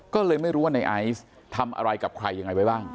ก็เลยไม่รู้ว่าในไอซ์ทำอะไรกับใครยังไงไว้บ้าง